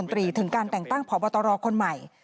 ถึงการแต่งตั้งพบตรคนใหม่